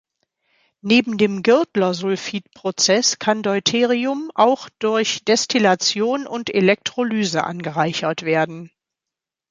Neben dem Girdler-Sulfid-Prozess kann Deuterium auch durch Destillation und Elektrolyse angereichert werden.